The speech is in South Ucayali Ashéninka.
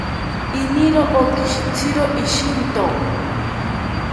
Iniro okishitziro ishinto